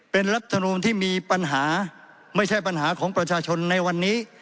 เป็นรัฐมนูลที่มีปัญหาไม่ใช่ปัญหาของประชาชนในวันนี้